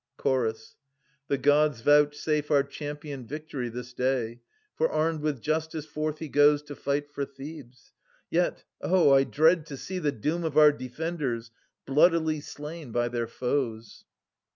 Chorus. The Gods vouchsafe our champion victory This day, for armed with justice forth he goes To fight for Thebes. Yet oh, I dread to see The doom of our defenders, bloodily 420 Slain by their foes.